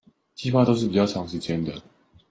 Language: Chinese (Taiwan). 計畫都是較長時間的